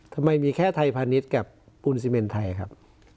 ทำไมมีแค่ไทยพาณิชย์กับปูนซีเมนไทยครับ